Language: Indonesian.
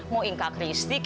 mau ingkar kristi kek